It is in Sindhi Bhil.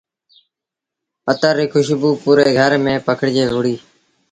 اتر ريٚ کُشبو پوري گھر ميݩ پکڙجي وهُڙيٚ۔